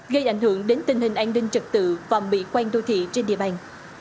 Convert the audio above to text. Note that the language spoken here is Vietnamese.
gây ảnh hưởng đến tình hình an ninh trật tự và mỹ quan đô thị trên địa bàn